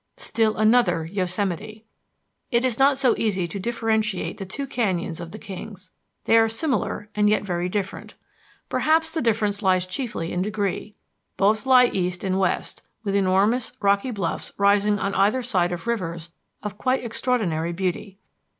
Still another Yosemite! It is not so easy to differentiate the two canyons of the Kings. They are similar and yet very different. Perhaps the difference lies chiefly in degree. Both lie east and west, with enormous rocky bluffs rising on either side of rivers of quite extraordinary beauty.